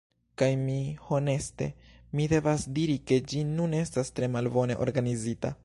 Kaj mi… Honeste mi devas diri ke ĝi nun estas tre malbone organizita.